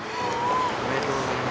おめでとうございます。